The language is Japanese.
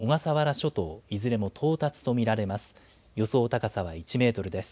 伊豆諸島と小笠原諸島、いずれも到達と見られます。